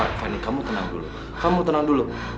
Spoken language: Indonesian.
kak fani kamu tenang dulu